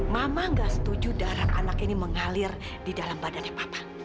mama gak setuju darah anak ini mengalir di dalam badannya papa